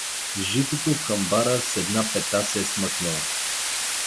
Житото в хамбара с една педа се е смъкнало.